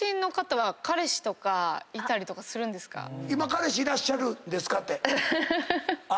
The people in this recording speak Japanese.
彼氏いらっしゃるんですか？